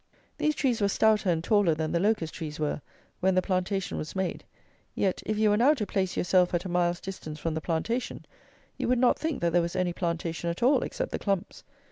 These trees were stouter and taller than the Locust trees were, when the plantation was made. Yet, if you were now to place yourself at a mile's distance from the plantation, you would not think that there was any plantation at all except the clumps.